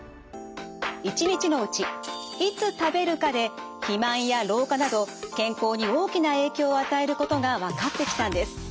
一日のうちいつ食べるかで肥満や老化など健康に大きな影響を与えることが分かってきたんです。